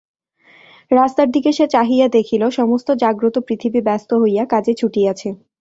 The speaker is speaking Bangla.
রাস্তার দিকে সে চাহিয়া দেখিল, সমস্ত জাগ্রত পৃথিবী ব্যস্ত হইয়া কাজে ছুটিয়াছে।